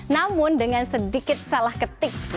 namun dengan sedikit salah ketik